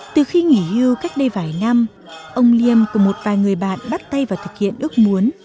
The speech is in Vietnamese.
từ khi nghỉ hưu cách đây vài năm ông liêm cùng một vài người bạn bắt tay vào thực hiện ước muốn